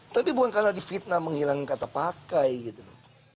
tapi bukan karena difitnah menghilangkan kata pakai gitu loh